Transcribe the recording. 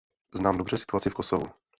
Znám dobře situaci v Kosovu.